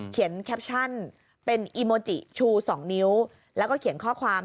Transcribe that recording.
แคปชั่นเป็นอีโมจิชู๒นิ้วแล้วก็เขียนข้อความ